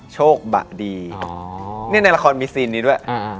โชคบะดีนี่ในละครมีซีนนี้ด้วย